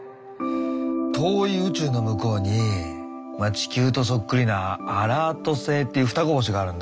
遠い宇宙の向こうに地球とそっくりなアラート星っていう双子星があるんだ。